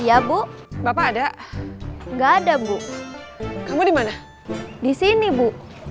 iya bu bapak ada enggak ada bu kamu dimana disini bu